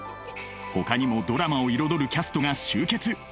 ほかにもドラマを彩るキャストが集結